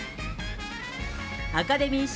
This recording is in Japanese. アカデミー賞